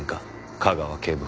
架川警部補。